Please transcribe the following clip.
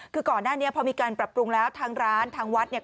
คือก่อนหน้านี้พอมีการปรับปรุงแล้วทางร้านทางวัดเนี่ย